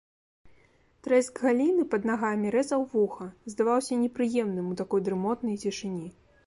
Трэск галіны пад нагамі рэзаў вуха, здаваўся непрыемным у такой дрымотнай цішыні.